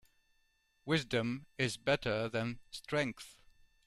Wisdom is better than strength.